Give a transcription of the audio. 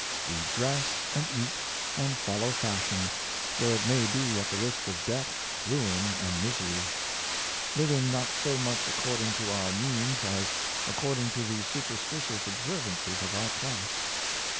We dress, and eat, and follow fashion, though it may be at the risk of de^bt, ruin and misery; living not so much ac cording to our means as according to the superstitious observances of our class.